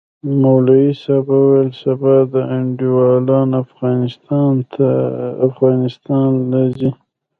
مولوي صاحب وويل سبا د تا انډيوالان افغانستان له زي؟